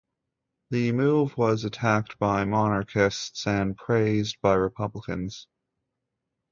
The move was attacked by monarchists and praised by republicans.